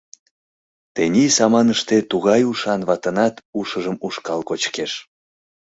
Тений саманыште тугай ушан ватынат ушыжым ушкал кочкеш.